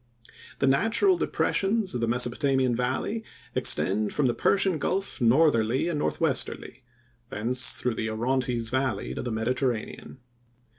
The natural depressions of the Mesopotamian valley extend from the Persian Gulf northerly and northwesterly, thence through the Orontes valley to the Mediterranean.